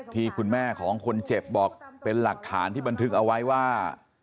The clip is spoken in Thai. ที่คุณแม่ของคนเจ็บบอกเป็นหลักฐานที่บันทึกเอาไว้ว่า